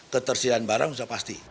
ketersediaan barang sudah pasti